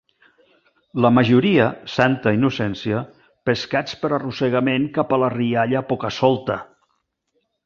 La majoria, santa innocència, pescats per arrossegament cap a la rialla poca-solta.